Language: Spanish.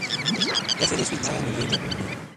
La serie es filmada en el Reino Unido.